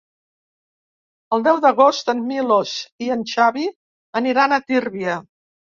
El deu d'agost en Milos i en Xavi aniran a Tírvia.